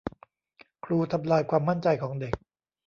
ครูทำลายความมั่นใจของเด็ก